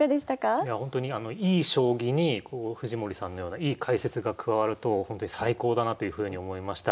いやほんとにいい将棋にこう藤森さんのようないい解説が加わるとほんとに最高だなというふうに思いました。